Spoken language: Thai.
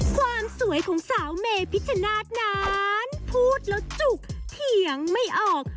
ความสวยของสาวเมพิชชนาธิ์นั้นพูดแล้วจุกเถียงไม่ออก